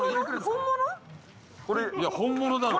いや本物だろう